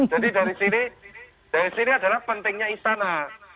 jadi dari sini dari sini adalah pentingnya istana